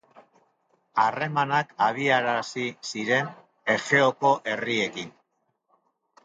Harremanak abiarazi ziren Egeoko herriekin.